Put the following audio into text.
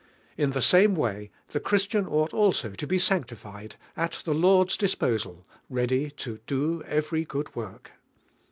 In the same way the Christian might also to be sane tified, at the Lord's disposal, "ready to do every good wort."